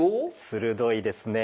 鋭いですね。